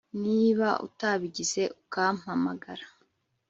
niba utabigize ukampamagara